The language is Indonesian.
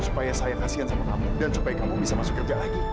supaya saya kasihan sama kamu dan supaya kamu bisa masuk kerja lagi